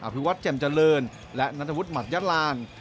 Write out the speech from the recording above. อภิวัฒน์แจ่มเจริญและนัตรวุฒิหมัดยัตรราน